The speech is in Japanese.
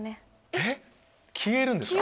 えっ消えるんですか？